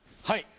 はい。